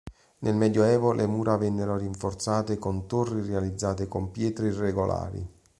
Nel medioevo le mura vennero rinforzate con torri realizzate con pietre irregolari.